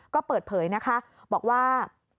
ก็เปิดเผยนะคะบอกว่า